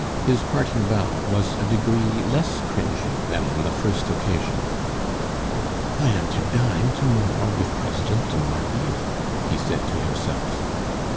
His parting bow was a degree less cringing than on the first occasion. "I am to dine to morrow with President de Marville!" he said to himself.